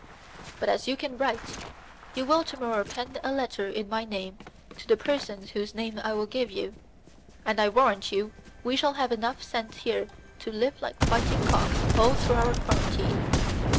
But as you can write, you will to morrow pen a letter in my name to the persons whose names I will give you, and I warrant you we shall have enough sent here to live like fighting cocks all through our quarantine."